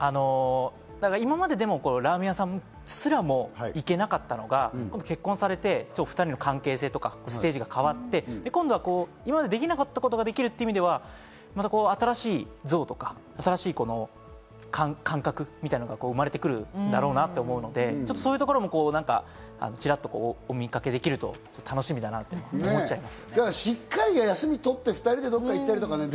今までラーメン屋さんすら行けなかったのが、結婚されて、お２人の関係性とかステージが変わって、今までできなかったことができるって意味では、新しい像とか感覚みたいなのが生まれてくるだろうなぁと思うので、そういうところもチラっとお見掛けできると楽しみだなと思います